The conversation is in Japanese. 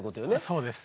そうです。